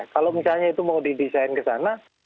kalau misalnya itu mau didesain ke sana